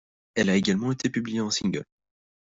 Elle a également été publiée en single.